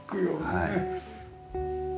はい。